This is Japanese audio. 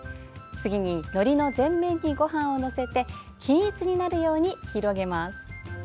次に、のりの全面にごはんを載せて均一になるように広げます。